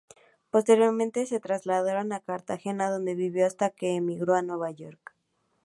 Posteriormente se trasladaron a Cartagena, donde vivió hasta que emigró a Nueva York.